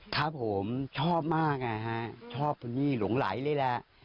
ถ้าผมชอบมากนะฮะชอบตัวนี้หลงไหลเลยแล้ว